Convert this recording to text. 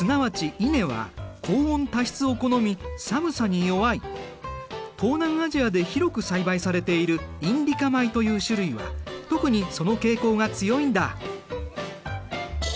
米すなわち稲は東南アジアで広く栽培されているインディカ米という種類は特にその傾向が強いんだ。